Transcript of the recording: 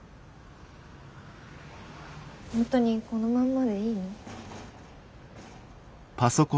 本当にこのまんまでいいの？